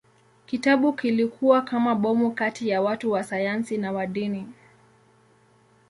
Kitabu kilikuwa kama bomu kati ya watu wa sayansi na wa dini.